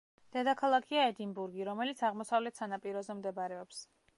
დედაქალაქია ედინბურგი, რომელიც აღმოსავლეთ სანაპიროზე მდებარეობს.